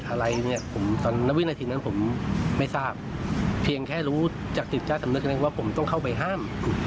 กฤษกิจจารย์ทำเนื้อแกน่งไว้ว่าผมต้องเข้าไปห้าม